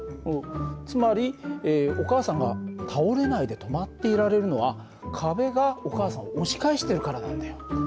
つまりお母さんが倒れないで止まっていられるのは壁がお母さんを押し返してるからなんだよ。